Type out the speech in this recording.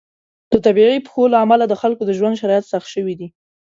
د طبیعي پیښو له امله د خلکو د ژوند شرایط سخت شوي دي.